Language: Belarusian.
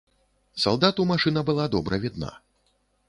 Салдату машына была добра відна.